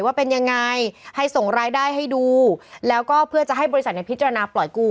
ว่าเป็นยังไงให้ส่งรายได้ให้ดูแล้วก็เพื่อจะให้บริษัทในพิจารณาปล่อยกู้